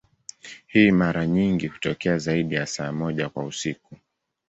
Hii mara nyingi hutokea zaidi ya saa moja kwa siku.